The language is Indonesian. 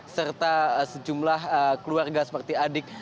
serta sejumlah keluarga seperti adik